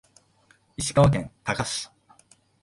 石川県加賀市